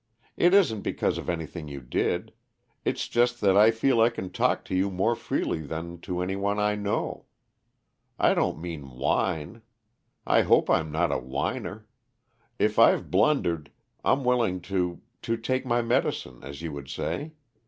It isn't because of anything you did; it's just that I feel I can talk to you more freely than to any one I know. I don't mean whine. I hope I'm not a whiner. If I've blundered, I'm willing to to take my medicine, as you would say.